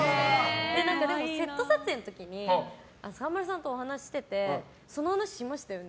でもセット撮影の時に沢村さんとお話ししててその話しましたよね。